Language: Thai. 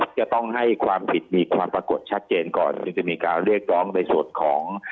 จะต้องให้ความผิดมีความปรากฏชัดเจนก่อนที่จะมีการเรียกร้องในส่วนของ